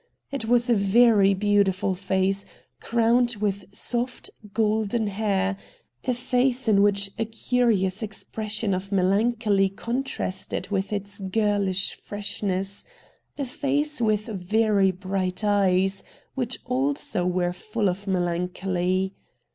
It was a very beautiful face, crowned with soft, golden hair — o. face in which a curious expression of melancholy contrasted with its girlish freshness — a face with very bright eyes, which also were full of melancholy.